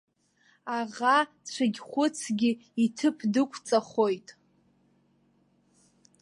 Аӷа цәыгьхәыцгьы иҭыԥ дықәҵахоит.